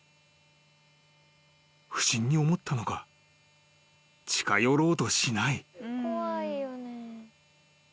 ［不審に思ったのか近寄ろうとしない］